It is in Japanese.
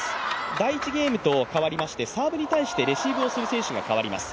第１ゲームと変わりましてサーブに対してレシーブをする選手が変わります。